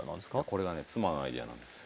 これがね妻のアイデアなんです。